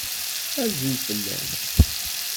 Azul fell-as.